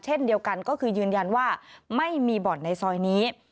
เช่นเดียวกันก็คือยืนยันว่าไม่มีบ่อนในซอยนี้